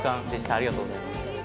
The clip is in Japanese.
ありがとうございます。